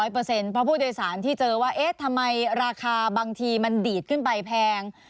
เพราะผู้โดยสารที่เจอว่าเอ๊ะทำไมราคาบางทีมันดีดขึ้นไปแพง